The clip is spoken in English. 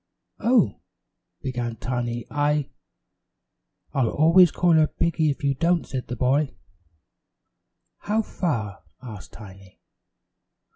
"Oh " began Tiny, "I " "I'll always call her Piggy if you don't," said the boy. "How far?" asked Tiny.